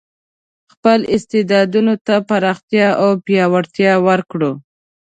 خپل استعدادونو ته پراختیا او پیاوړتیا ورکړو.